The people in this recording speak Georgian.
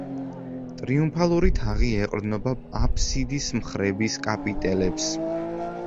ტრიუმფალური თაღი ეყრდნობა აბსიდის მხრების კაპიტელებს.